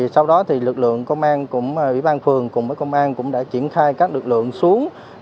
sau đó thì lực lượng công an ủy ban phường cùng với công an cũng đã triển khai các lực lượng xuống